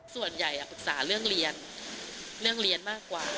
ส่วนใหญ่ปรึกษาเรื่องเรียนเรื่องเรียนมากกว่า